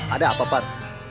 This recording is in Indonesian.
ada apa pak